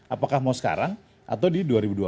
apakah mau sekarang atau di dua ribu dua puluh empat